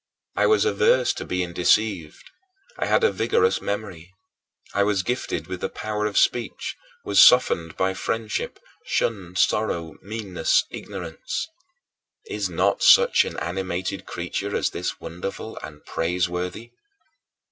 I was averse to being deceived; I had a vigorous memory; I was gifted with the power of speech, was softened by friendship, shunned sorrow, meanness, ignorance. Is not such an animated creature as this wonderful and praiseworthy?